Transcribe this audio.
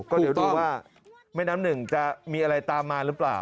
ก็เดี๋ยวดูว่าแม่น้ำหนึ่งจะมีอะไรตามมาหรือเปล่า